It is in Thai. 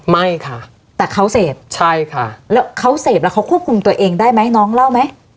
ไม่ค่ะแต่เขาเสพใช่ค่ะแล้วเขาเสพแล้วเขาควบคุมตัวเองได้ไหมน้องเล่าไหม